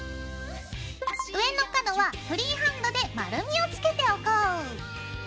上の角はフリーハンドで丸みをつけておこう！